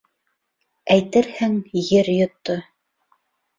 Әйтерһең, ер йотто.